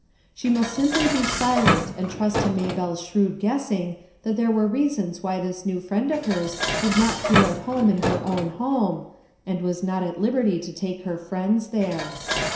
She must simply be silent and trust to Maybellc's shrewd guessing that there were reasons why this new friend of hers did not feel at home in her own home, and was not at liberty to take her friends there.